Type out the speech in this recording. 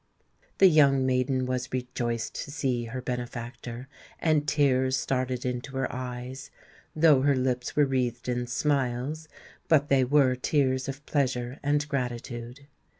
The young maiden was rejoiced to see her benefactor; and tears started into her eyes, though her lips were wreathed in smiles;—but they were tears of pleasure and gratitude.